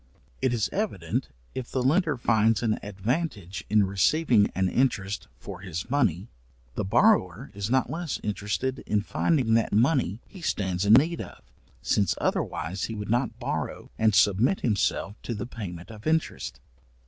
It is evident, if the lender finds an advantage in receiving an interest for his money, the borrower is not less interested in finding that money he stands in need of, since otherwise he would not borrow and submit himself to the payment of interest.